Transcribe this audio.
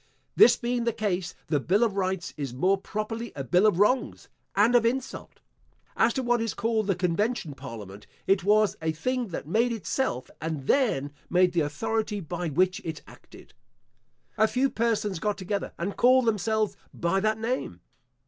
This being the case, the bill of rights is more properly a bill of wrongs, and of insult. As to what is called the convention parliament, it was a thing that made itself, and then made the authority by which it acted. A few persons got together, and called themselves by that name.